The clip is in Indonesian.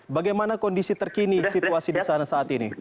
bagaimana kondisi terkini situasi di sana saat ini